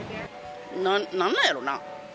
何なんやろな？